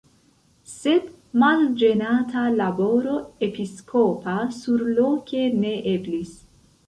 Sed malĝenata laboro episkopa surloke ne eblis.